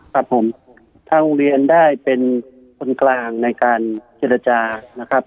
ครับผมทางโรงเรียนได้เป็นคนกลางในการเจรจานะครับ